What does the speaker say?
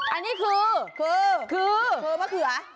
อันนี้คือคือมะเขือ